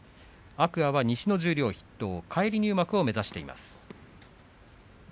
天空海は西の十両筆頭返り入幕を目指しています。